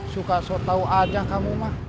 suka suka tau aja kamu mah